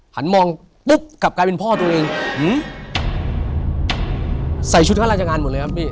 หันมองปุ๊บกลับกลายเป็นพ่อตัวเองอืมใส่ชุดข้าราชการหมดเลยครับพี่